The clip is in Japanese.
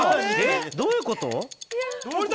どういうこと？